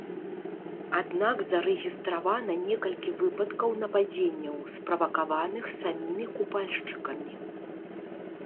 Аднак зарэгістравана некалькі выпадкаў нападзенняў, справакаваных самімі купальшчыкамі.